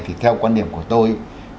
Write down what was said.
theo quan điểm của tôi